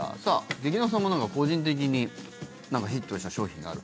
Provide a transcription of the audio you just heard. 劇団さんも個人的にヒットした商品がある。